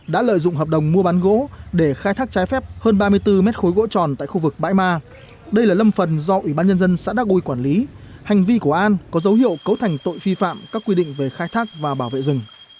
cơ quan công an huyện đắc huy đắc hà về tội vi phạm các quy định về khai thác và bảo vệ rừng theo điều một trăm bảy mươi năm bộ luật hình sự